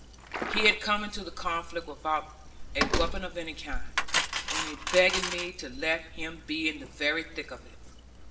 He had come into the conflict without a weapon of any kind; only begging me to let him be in the very thick of it.